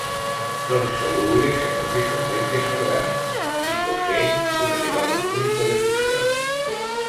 Son solubles en los disolventes orgánicos, y poseen un elevado punto de fusión.